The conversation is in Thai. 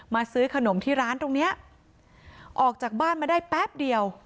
ซื้อขนมที่ร้านตรงเนี้ยออกจากบ้านมาได้แป๊บเดียว